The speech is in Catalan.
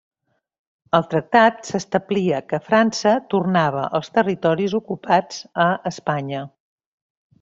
Al tractat s'establia que França tornava els territoris ocupats a Espanya.